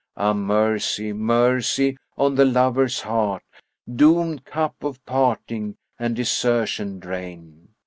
Ah mercy, mercy on the lover's heart, * Doomed cup of parting and desertion drain!